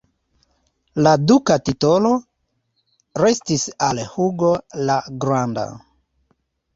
La duka titolo restis al Hugo la Granda.